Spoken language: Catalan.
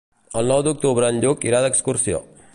El nou d'octubre en Lluc irà d'excursió.